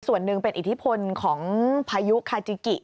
ส่วนหนึ่งเป็นอิทธิพลของพายุคาจิกิ